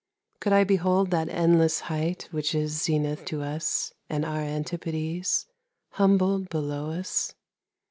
Could I behold that endlesse height which isZenith to us, and our Antipodes, Humbled below us?